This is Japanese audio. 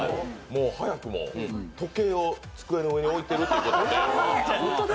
早くも時計を机の上に置いてるという。